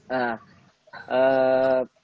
tugasnya ngapain aja sih bang